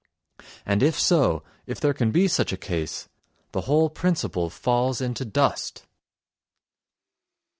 And if so, if there can be such a case, the whole principle falls into dust.